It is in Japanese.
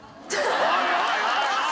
おいおいおいおい！